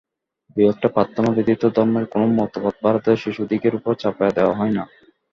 দুই-একটি প্রার্থনা ব্যতীত ধর্মের কোন মতবাদ ভারতের শিশুদিগের উপর চাপাইয়া দেওয়া হয় না।